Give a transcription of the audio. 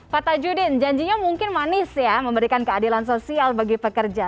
pak tajudin janjinya mungkin manis ya memberikan keadilan sosial bagi pekerja